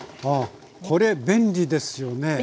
ああこれ便利ですよね。